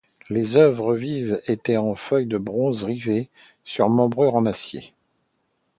Les œuvres vives étaient en feuilles de bronze rivées sur membrures en acier.